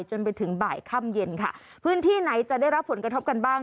จนไปถึงบ่ายค่ำเย็นค่ะพื้นที่ไหนจะได้รับผลกระทบกันบ้าง